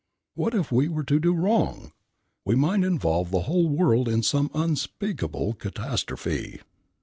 What if we were to do wrong? We might involve the whole world in some unspeakable catastrophe."